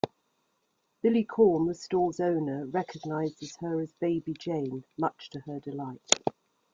Billy Korn, the store's owner, recognizes her as Baby Jane much to her delight.